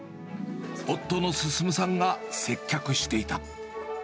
夫の進さんが接客していた。